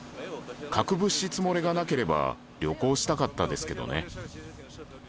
核物質漏れがなければ旅行したかったですけどね。